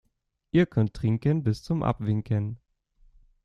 Ihr könnt trinken bis zum Abwinken.